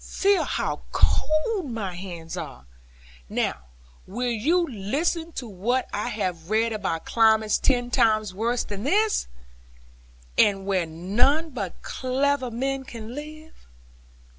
Feel how cold my hands are. Now, will you listen to what I have read about climates ten times worse than this; and where none but clever men can live?'